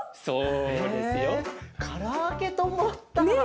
そう。